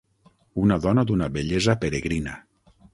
Una dona d'una bellesa peregrina.